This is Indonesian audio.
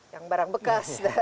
yang barang bekas